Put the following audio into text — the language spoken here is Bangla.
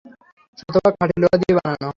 শতভাগ খাঁটি লোহা দিয়ে বানানো।